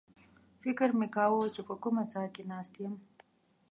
فکر مې کاوه چې په کومه څاه کې ناست یم.